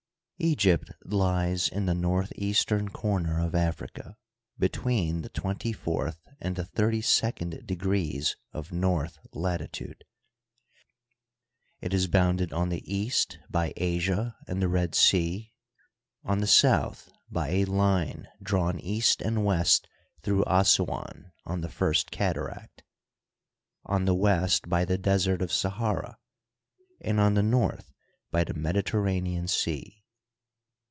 Egypt lies in the northeastern comer of Africa, be tween the twenty fourth and the thirty second degrees of north latitude. It is bounded on the east by Asia and the Red Sea, on the south by a line drawn east and west through Assuan, on the First Cataract, on the west by the Desert of Sahara, and on the north by the Mediter ranean Sea.